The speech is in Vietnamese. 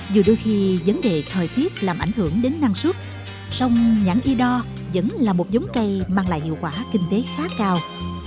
dù đôi khi vấn đề thời tiết làm ảnh hưởng đến năng suất song nhãn y đo vẫn là một giống cây mang lại hiệu quả kinh tế khá cao